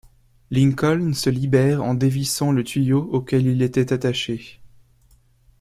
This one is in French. Lincoln se libère en dévissant le tuyau auquel il était attaché.